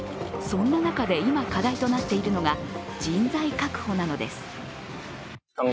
そんな中で今、課題となっているのが人材確保なのです。